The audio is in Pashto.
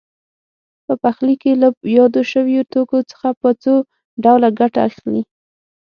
په پخلي کې له یادو شویو توکو څخه په څو ډوله ګټه اخلي.